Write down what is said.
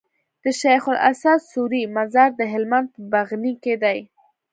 د شيخ اسعد سوري مزار د هلمند په بغنی کي دی